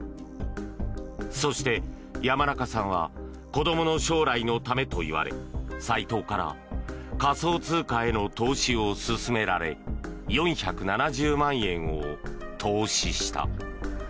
そして、山中さんは子どもの将来のためといわれサイトウから仮想通貨への投資を勧められ４７０万円を投資した。